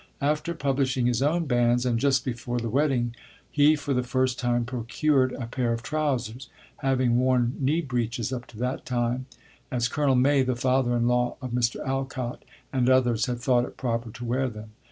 After publishing his own banns, and just before the wedding, he for the first time procured a pair of trousers, having worn knee breeches up to that time, as Colonel May (the father in law of Mr. Alcott) and others had thought it proper to wear them.